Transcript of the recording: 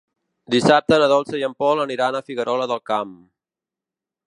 Dissabte na Dolça i en Pol aniran a Figuerola del Camp.